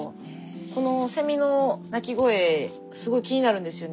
このセミの鳴き声すごい気になるんですよね。